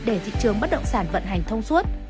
để thị trường bất động sản vận hành thông suốt